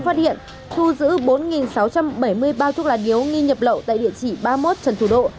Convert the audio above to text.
phát hiện thu giữ bốn sáu trăm bảy mươi bao thuốc lá điếu nghi nhập lậu tại địa chỉ ba mươi một trần thủ độ